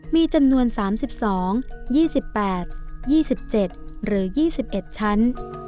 มีจำนวน๓๒๒๘๒๗หรือ๒๑ชั้น